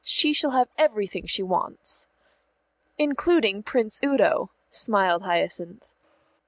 She shall have everything she wants." "Including Prince Udo," smiled Hyacinth.